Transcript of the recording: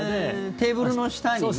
テーブルの下に？